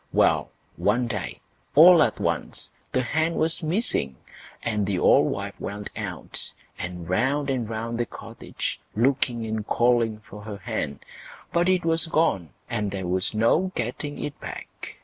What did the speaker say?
Well! one day, all at once, the hen was missing. The old wife went out, and round and round the cottage, looking and calling for her hen, but it was gone, and there was no getting it back.